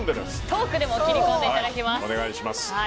トークでも切り込んでいただきます。